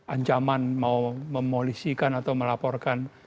ancaman mau memolisikan atau melaporkan